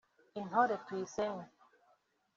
Intore Tuyisenge